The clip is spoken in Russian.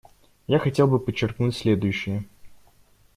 Я хотел бы подчеркнуть следующее.